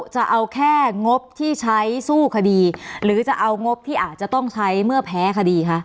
จะเอาแค่งบที่ใช้สู้คดีหรือจะเอางบที่อาจจะต้องใช้เมื่อแพ้คดีคะ